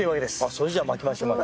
それじゃまきましょうか。